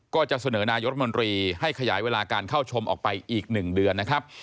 ก็จะเสนอนายกรัฐมนตรีให้ขยายเวลาการเข้าชมออกไปอีก๑เดือนนะครับ